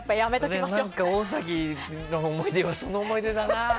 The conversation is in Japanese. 大崎の思い出はその思い出だな。